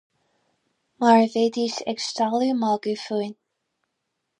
Mar a bheidís ag stealladh magadh fúinn.